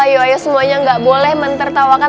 ayo ayo semuanya gak boleh mentertawakan